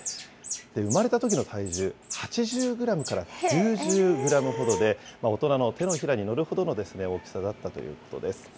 生まれたときの体重、８０グラムから９０グラムほどで、大人の手のひらに乗るほどの大きさだったということです。